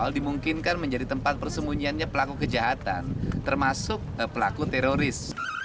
hal dimungkinkan menjadi tempat persembunyiannya pelaku kejahatan termasuk pelaku teroris